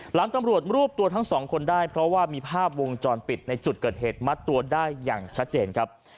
ตำรวจรวบตัวทั้งสองคนได้เพราะว่ามีภาพวงจรปิดในจุดเกิดเหตุมัดตัวได้อย่างชัดเจนครับ